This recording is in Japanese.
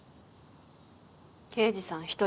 刑事さん１人？